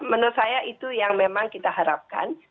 menurut saya itu yang memang kita harapkan